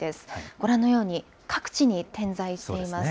ご覧のように各地に点在しています。